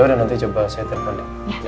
yaudah nanti coba saya terpulang